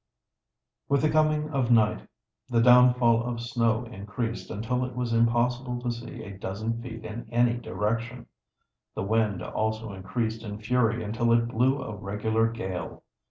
With the coming of night the downfall of snow increased until it was impossible to see a dozen feet in any direction. The wind also increased in fury until it blew a regular gale.